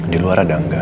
di luar ada angga